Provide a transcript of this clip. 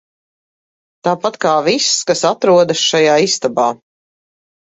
Tāpat kā viss, kas atrodas šajā istabā.